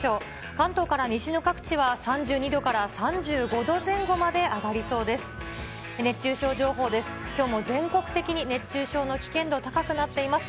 関東から西の各地は、３２度から３５度前後まで上がりそうです。